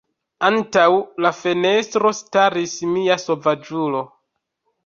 Antaŭ la fenestro staris mia sovaĝulo.